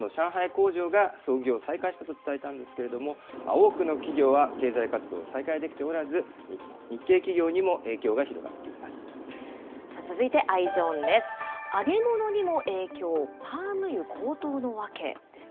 工場が操業を再開したと伝えたんですけれども、多くの企業は経済活動を再開できておらず、日系企業にも影響が広がっていま続いてＥｙｅｓｏｎです。